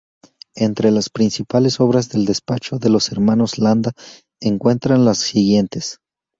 Entre las principales obras del despacho de los hermanos Landa encuentran las siguientes.